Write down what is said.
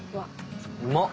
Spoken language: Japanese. うまっ！